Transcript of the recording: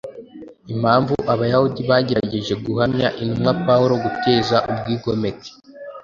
impamvu Abayahudi bagerageje guhamya intumwa Pawulo guteza ubwigomeke